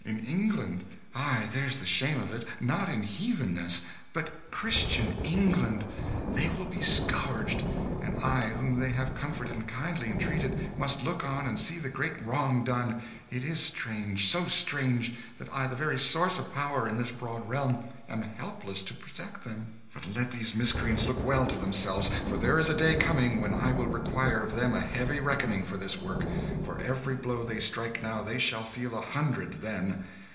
in England! Ay, there's the shame of it not in Heathennesse, Christian England! They will be scourged; and I, whom they have comforted and kindly entreated, must look on and see the great wrong done; it is strange, so strange, that I, the very source of power in this broad realm, am helpless to protect them. But let these miscreants look well to themselves, for there is a day coming when I will require of them a heavy reckoning for this work. For every blow they strike now, they shall feel a hundred then."